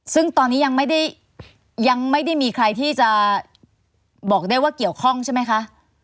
ซึ่งตอนนี้ยังไม่ได้ยังไม่ได้มีใครที่จะบอกได้ว่าเกี่ยวข้องใช่ไหมคะ